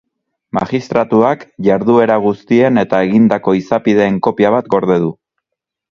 Magistratuak jarduera guztien eta egindako izapideen kopia bat gorde du.